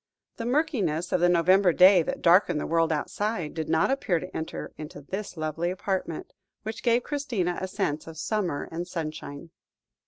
The murkiness of the November day that darkened the world outside, did not appear to enter into this lovely apartment, which gave Christina a sense of summer and sunshine.